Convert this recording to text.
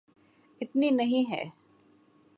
اتنی نہیں ہے۔